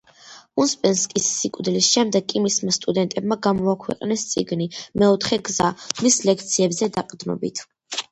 უსპენსკის სიკვდილის შემდეგ კი მისმა სტუდენტებმა გამოაქვეყნეს წიგნი „მეოთხე გზა“, მის ლექციებზე დაყრდნობით.